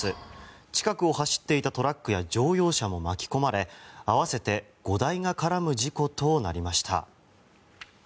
近くを走っていたトラックや乗用車も巻き込まれ合わせて５台が絡む事故となりました。